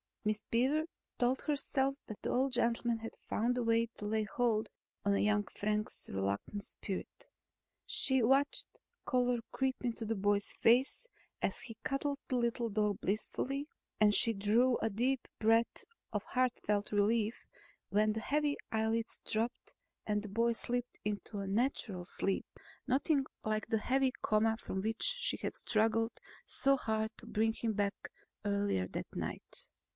Miss Beaver told herself that the old gentleman had found a way to lay hold on young Frank's reluctant spirit. She watched color creep into the boy's face as he cuddled the little dog blissfully, and she drew a deep breath of heart felt relief when the heavy eyelids drooped and the boy slipped off into a natural sleep, nothing like the heavy coma from which she had struggled so hard to bring him back earlier that night.